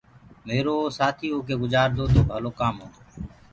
ميرو سآٿيٚ هوڪي گُجآردو تو ڀلو ڪآم هونٚدو